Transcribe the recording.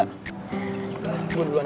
gue duluan aja